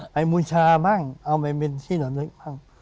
ไปมูชาบ้างเอาไปเป็นที่หนึ่งบ้าง